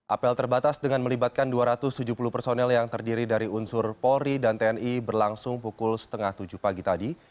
apel terbatas dengan melibatkan dua ratus tujuh puluh personel yang terdiri dari unsur polri dan tni berlangsung pukul setengah tujuh pagi tadi